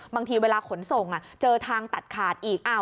บางทีเวลาขนส่งเจอทางตัดขาดอีก